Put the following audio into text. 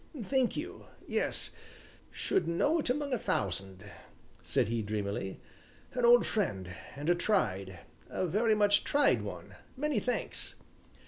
"Thank you yes should know it among a thousand," said he dreamily, "an old friend and a tried a very much tried one many thanks."